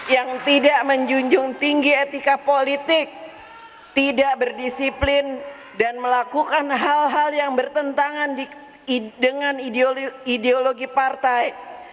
yang tidak menjunjung tinggi etika politik tidak berdisiplin dan melakukan hal hal yang bertentangan dengan ideologi partai